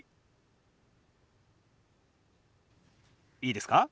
いいですか？